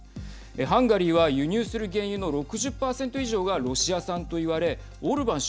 ハンガリーは輸入する原油の６０％以上がロシア産といわれオルバン